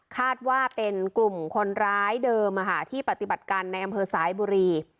คาดว่าเป็นกลุ่มคนร้ายเดิมที่ปฏิบัติการในอำเภอสายบุรี